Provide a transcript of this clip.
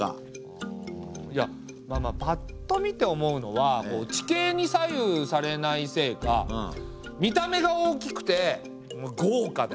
いやまあまあパッと見て思うのは地形に左右されないせいか見た目が大きくてごうかだよね。